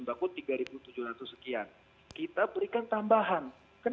budi ari setiadi